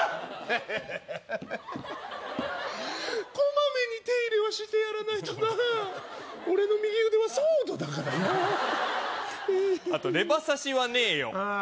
ヘヘヘヘこまめに手入れをしてやらないとなあ俺の右腕はソードだからなあとレバ刺しはねえよああ